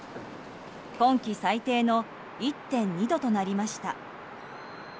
今季最低の１．２度となりました。